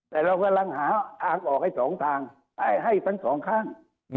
แต่เรากำลังหาทางออกให้สองทางให้ทั้งสองข้าง